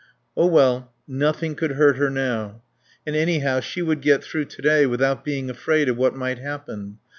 Oh well, nothing could hurt her now. And anyhow she would get through to day without being afraid of what might happen.